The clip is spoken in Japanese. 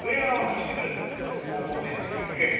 ５合目で結構。